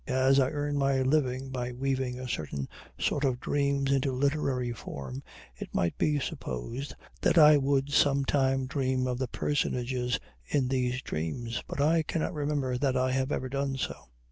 As I earn my living by weaving a certain sort of dreams into literary form, it might be supposed that I would some time dream of the personages in these dreams, but I cannot remember that I have ever done so.